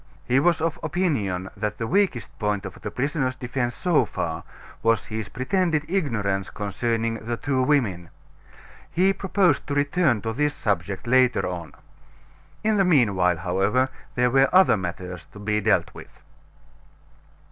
He was of opinion that the weakest point of the prisoner's defense so far was his pretended ignorance concerning the two women. He proposed to return to this subject later on. In the mean while, however, there were other matters to be dealt with.